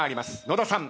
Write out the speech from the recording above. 野田さん